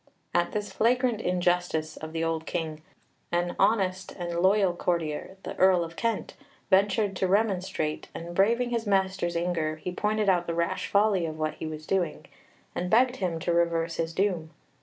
At this flagrant injustice of the old King, an honest and loyal courtier, the Earl of Kent, ventured to remonstrate, and, braving his master's anger, he pointed out the rash folly of what he was doing, and begged him to reverse his doom.